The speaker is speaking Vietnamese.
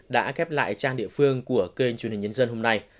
đã khép lại trang địa phương của kênh truyền hình nhân dân hôm nay